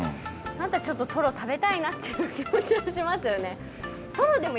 ちょっととろ食べたいなっていう気持ちはしますよね。